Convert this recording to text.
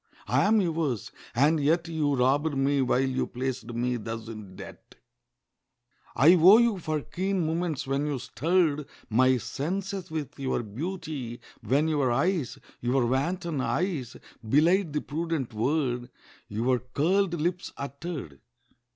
I am yours: and yet You robbed me while you placed me thus in debt. I owe you for keen moments when you stirred My senses with your beauty, when your eyes (Your wanton eyes) belied the prudent word Your curled lips uttered.